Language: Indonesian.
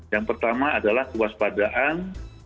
yang pertama adalah kewaspadaan